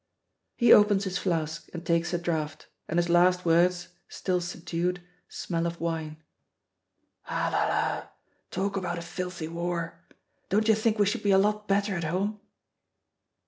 He opens his flask and takes a draught, and his last words, still subdued, smell of wine: "Ah, la, la! Talk about a filthy war! Don't you think we should be a lot better at home!